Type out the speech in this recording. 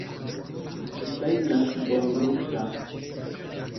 Ĝi ŝajnas bongusta.